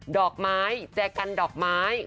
ดอกไม้แจกันดอกไม้